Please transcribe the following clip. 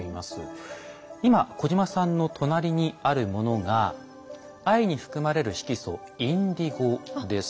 今小島さんの隣にあるものが藍に含まれる色素インディゴです。